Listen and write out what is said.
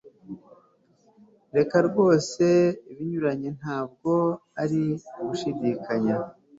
reka rwose. ibinyuranye ntabwo ari ugushidikanya